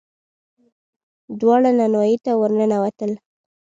دواړه نانوايي ته ور ننوتل.